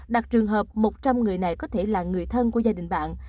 đặc trường hợp một trăm linh người này có thể là người thân của gia đình bạn